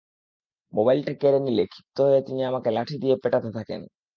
মোবাইলটা কেড়ে নিলে ক্ষিপ্ত হয়ে তিনি আমাকে লাঠি দিয়ে পেটাতে থাকেন।